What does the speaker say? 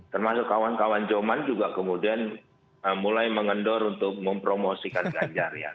termasuk kawan kawan joman juga kemudian mulai mengendor untuk mempromosikan ganjar ya